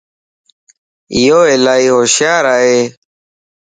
ايو الائي ھوشيار ائي